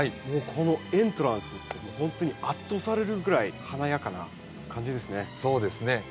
もうこのエントランスほんとに圧倒されるぐらい華やかな感じですね。